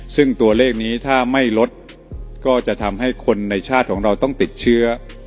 ซึ่งตัวเลขนี้ถ้าไม่ลดก็จะทำให้คนในชาติของเราต้องติดเชื้อ